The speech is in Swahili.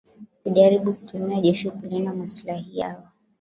kujaribu kutumia jeshi kulinda maslahi yao